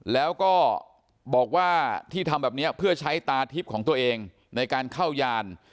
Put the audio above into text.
แล้วก็บอกว่าที่ทำแบบนี้เพื่อใช้ตาทิพย์ของตัวเองในการเข้ายาน